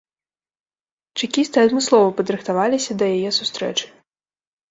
Чэкісты адмыслова падрыхтаваліся да яе сустрэчы.